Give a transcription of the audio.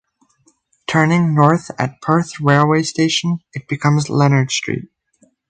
Turning north at Perth railway station it becomes Leonard Street.